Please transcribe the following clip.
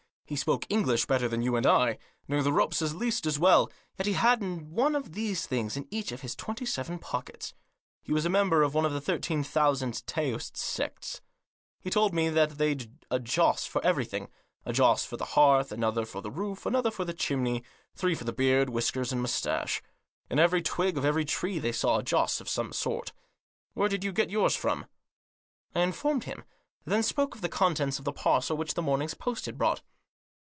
He spoke English better than you and I, knew the ropes at least as well, yet he had one of these things in each of about twenty seven pockets. He was a member of one of the thirteen thousand Taoist sects. He told me that they'd a joss for everything ; a joss for the hearth, another for the roof, another for the chimney ; three for the beard, whiskers and moustache. In every twig of every tree they saw a joss of some sort. Where did you get yours from?" I informed him ; then spoke of the contents of the parcel which the morning's post had brought.